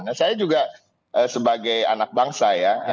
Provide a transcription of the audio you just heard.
nah saya juga sebagai anak bangsa ya